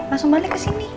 langsung balik ke sini